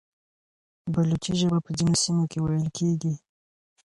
بلوچي ژبه په ځینو سیمو کې ویل کېږي.